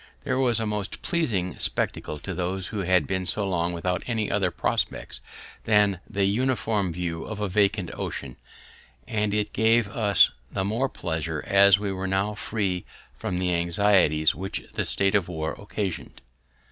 This was a most pleasing spectacle to those who had been so long without any other prospects than the uniform view of a vacant ocean, and it gave us the more pleasure as we were now free from the anxieties which the state of war occasion'd.